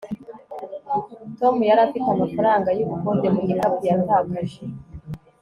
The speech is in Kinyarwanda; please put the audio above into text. tom yari afite amafaranga yubukode mu gikapu yatakaje